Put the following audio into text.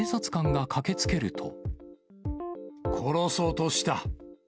殺そうとした。